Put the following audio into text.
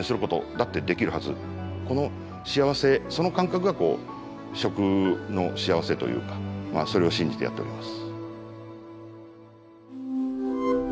この幸せその感覚が食の幸せというかそれを信じてやっております。